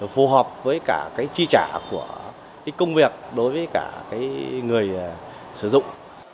phù hợp với cả cái chi trả của công việc đối với cả người sử dụng